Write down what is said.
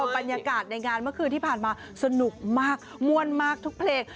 บรรยากาศในงานเมื่อคืนที่ผ่านมาสนุกมากม่วนมากทุกเพลง